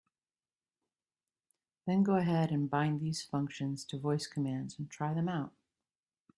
Then go ahead and bind these functions to voice commands and try them out.